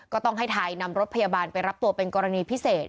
ก็ต้องให้ไทยนำรถพยาบาลไปรับตัวเป็นกรณีพิเศษ